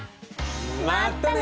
またね！